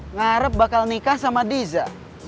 ngarep bakal nikah sama diza